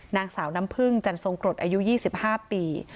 นางสาวน้ำพึ่งจันทรงกรดอายุ๒๕ปี